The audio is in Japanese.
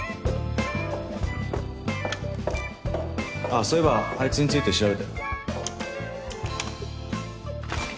ああそういえばあいつについて調べたよ。